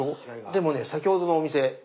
でもね先ほどのお店